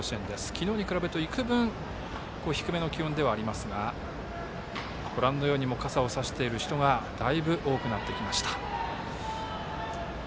昨日に比べると幾分低めの気温ではありますがご覧のように傘を差している人がだいぶ多くなってきました。